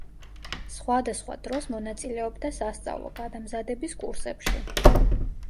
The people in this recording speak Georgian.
სხვადასხვა დროს მონაწილეობდა სასწავლო გადამზადების კურსებში.